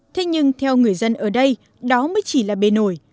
thế nhưng theo người dân ở đây đó mới chỉ là bề nổi